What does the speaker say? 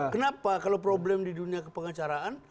kenapa kalau problem di dunia kepengacaraan